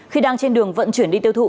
khi đang trên đường vận chuyển đi tiêu thụ